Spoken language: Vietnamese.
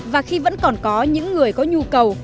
và khi vẫn còn có những người có nhu cầu